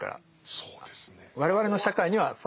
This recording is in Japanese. そうですね。